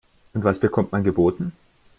Und was bekommt man geboten?